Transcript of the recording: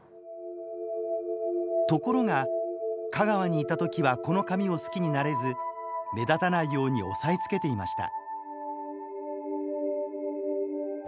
ところが香川にいた時はこの髪を好きになれず目立たないように押さえつけていました。